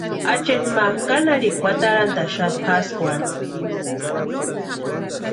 Acheeti ma kanharhikwa atarantaxapti pʼaskwarhu.